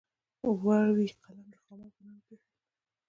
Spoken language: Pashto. ور وې قلم د خامار په نامه کېښود.